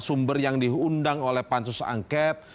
sumber yang diundang oleh pansus angket